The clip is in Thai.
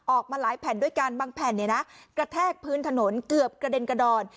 ออกมาหลายแผ่นด้วยกันบางแผ่นเนี่ยนะกระแทกพื้นถนนเกือบกระเด็นกระดอน